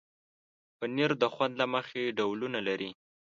پنېر د خوند له مخې ډولونه لري.